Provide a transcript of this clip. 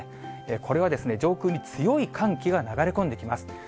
これは上空に強い寒気が流れ込んできます。